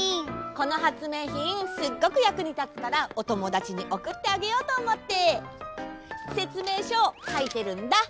このはつめいひんすっごくやくにたつからおともだちにおくってあげようとおもってせつめいしょをかいてるんだ。